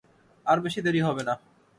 আর বেশি দেরি হবে না।